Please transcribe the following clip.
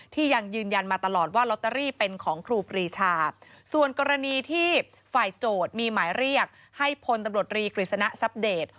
ยังยืนยันมาตลอดว่าลอตเตอรี่เป็นของครูปรีชาส่วนกรณีที่ฝ่ายโจทย์มีหมายเรียกให้พลตำรวจรีกฤษณะทรัพเดต